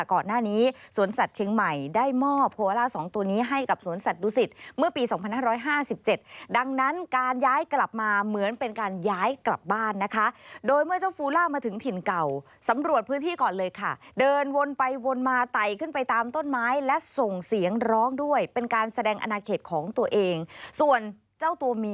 ก่อนหน้านี้สวนสัตว์เชียงใหม่ได้มอบโพล่าสองตัวนี้ให้กับสวนสัตวศิษฐ์เมื่อปี๒๕๕๗ดังนั้นการย้ายกลับมาเหมือนเป็นการย้ายกลับบ้านนะคะโดยเมื่อเจ้าฟูล่ามาถึงถิ่นเก่าสำรวจพื้นที่ก่อนเลยค่ะเดินวนไปวนมาไต่ขึ้นไปตามต้นไม้และส่งเสียงร้องด้วยเป็นการแสดงอนาเขตของตัวเองส่วนเจ้าตัวมี